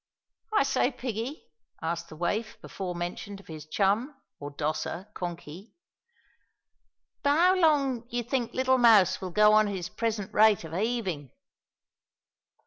"I say, Piggie," asked the waif before mentioned of his chum, (or dosser), Konky, "'ow long d'ee think little Mouse will go on at his present rate o' heavin'?"